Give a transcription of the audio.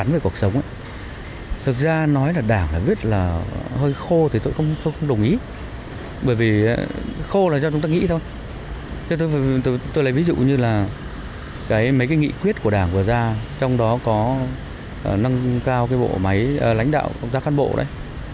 ví dụ như là mấy cái nghị quyết của đảng vừa ra trong đó có nâng cao cái bộ máy lãnh đạo công tác khăn bộ đấy